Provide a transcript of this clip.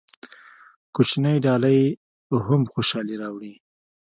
کوچنۍ ډالۍ هم خوشحالي راوړي.